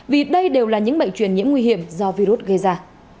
vì đây đều là những bệnh truyền nhiễm nguy hiểm do virus gây ra